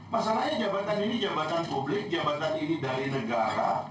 masalahnya jabatan ini jabatan publik jabatan ini dari negara